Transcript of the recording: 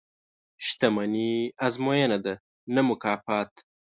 • شتمني ازموینه ده، نه مکافات.